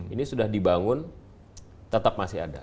ini sudah dibangun tetap masih ada